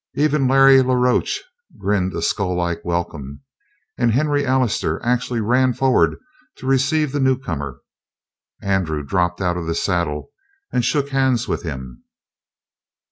Even Larry la Roche grinned a skull like welcome, and Henry Allister actually ran forward to receive the newcomer. Andrew dropped out of the saddle and shook hands with him.